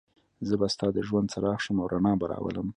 زه به ستا د ژوند څراغ شم او رڼا به راولم.